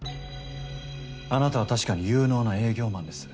あなたは確かに有能な営業マンです。